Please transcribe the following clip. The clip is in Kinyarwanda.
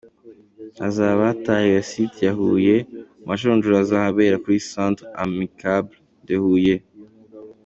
hazaba hatahiwe site ya Huye amajonjora akazabera kur centre amicable de Huye.